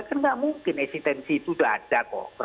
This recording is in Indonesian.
kan nggak mungkin eksistensi itu sudah ada kok